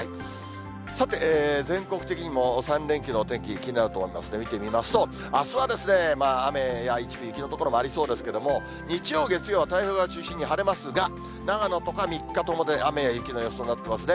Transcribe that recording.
さて、全国的にも３連休のお天気、気になると思いますんで見てみますと、あすは雨や一部雪の所もありそうですけれども、日曜、月曜は太平洋側を中心に晴れますが、長野とか３日とも雨の予報になってますね。